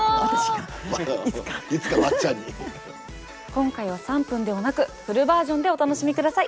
今回は３分ではなくフルバージョンでお楽しみ下さい。